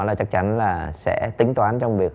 là chắc chắn là sẽ tính toán trong việc